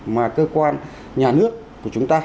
mà cơ quan nhà nước của chúng ta